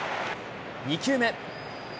２球目。